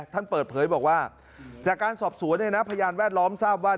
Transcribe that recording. ท่านเปิดเผยบอกว่าจากการสอบสวนเนี่ยนะพยานแวดล้อมทราบว่า